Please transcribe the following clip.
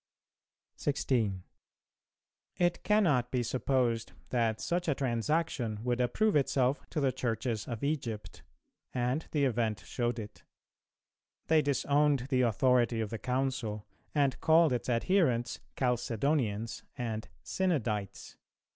[312:1] 16. It cannot be supposed that such a transaction would approve itself to the Churches of Egypt, and the event showed it: they disowned the authority of the Council, and called its adherents Chalcedonians,[313:1] and Synodites.